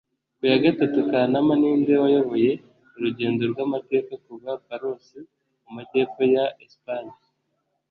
Ku ya gatatu Kanama ninde wayoboye urugendo rwamateka kuva Palos mu majyepfo ya Espanye?